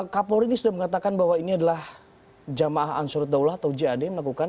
kapolri ini sudah mengatakan bahwa ini adalah jamaah ansur daulah atau jad melakukan